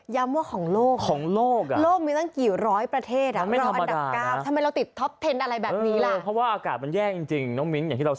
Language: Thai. ย้ำว่าของโลกโลกมีตั้งกี่ร้อยประเทศ